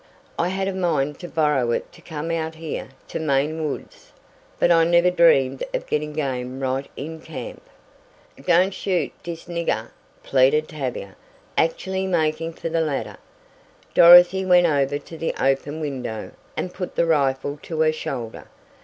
I had a mind to borrow it to come out here to Maine woods, but I never dreamed of getting game right in camp." "Don't shoot dis niggah!" pleaded Tavia, actually making for the ladder. Dorothy went over to the open window and put the rifle to her shoulder.